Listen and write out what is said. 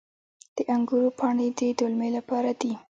د انګورو پاڼې د دلمې لپاره دي.